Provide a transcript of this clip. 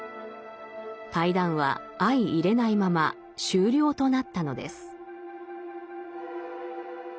対談は相いれないまま終了となったのです。